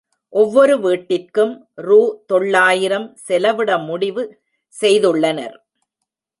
ஒவ்வொரு வீட்டிற்கும் ரூ தொள்ளாயிரம் செலவிட முடிவு செய்துள்ளனர்.